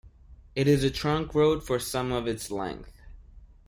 It is a trunk road for some of its length.